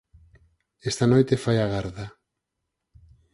Esta noite fai a garda.